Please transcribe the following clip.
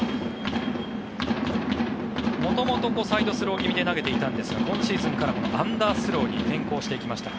元々、サイドスロー気味で投げていたんですが今シーズンからアンダースローに転向していきました。